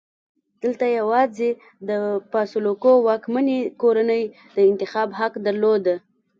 دلته یوازې د فاسولوکو واکمنې کورنۍ د انتخاب حق درلود.